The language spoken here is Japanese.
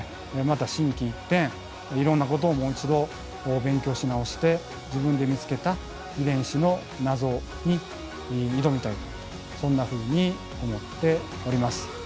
また心機一転いろんなことをもう一度勉強し直して自分で見つけた遺伝子の謎に挑みたいとそんなふうに思っております。